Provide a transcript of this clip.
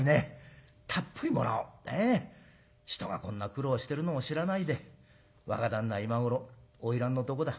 人がこんな苦労してるのを知らないで若旦那は今頃花魁のとこだ。